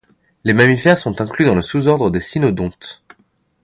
Les mammifères sont inclus dans le sous-ordre des cynodontes.